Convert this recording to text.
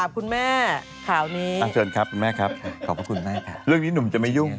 เผ่นค่ะคุณแม่ครับใครขอบคุณมาก่ะเรื่องนี้หนุ่มจะไม่ยุ่ง